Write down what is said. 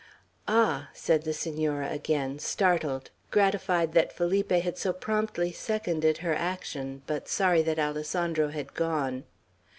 "Ah!" said the Senora again, startled, gratified that Felipe had so promptly seconded her action, but sorry that Alessandro had gone.